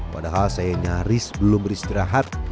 padahal saya nyaris belum beristirahat